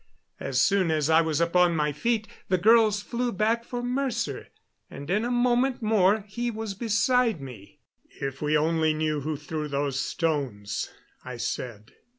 As soon as I was upon my feet the girls flew back for Mercer, and in a moment more he was beside me. "If we only knew who threw those stones," I said.